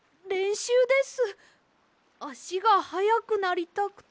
あしがはやくなりたくて。